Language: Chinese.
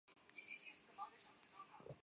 另外与同行神谷明的交情很深。